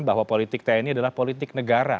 bahwa politik tni adalah politik negara